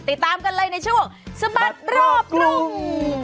ติดตามกันเลยในช่วงสะบัดรอบกรุง